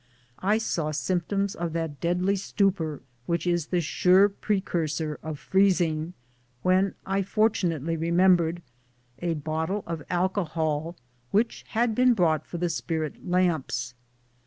I saw symptoms of that deadly stupor which is the sure precursor of freezing, when I fortunately remem bered a bottle of alcohol which had been brought for the spirit lamps.